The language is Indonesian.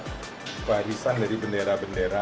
jadi tempat warisan dari bendera bendera